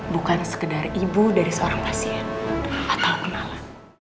bukan sekedar ibu dari seorang pasien atau kenalan